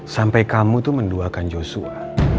sampai kamu menduakan joshua